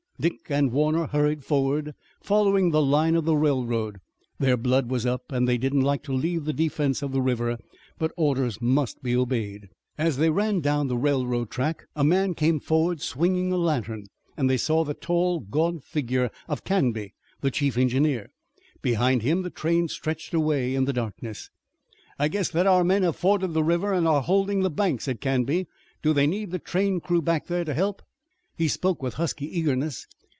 Dick and Warner hurried forward, following the line of the railroad. Their blood was up and they did not like to leave the defense of the river, but orders must be obeyed. As they ran down the railroad track a man came forward swinging a lantern, and they saw the tall gaunt figure of Canby, the chief engineer. Behind him the train stretched away in the darkness. "I guess that our men have forded the river and are holding the bank," said Canby. "Do they need the train crew back there to help?" He spoke with husky eagerness.